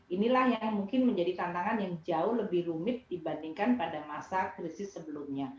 inilah yang mungkin menjadi tantangan yang jauh lebih rumit dibandingkan pada masa krisis sebelumnya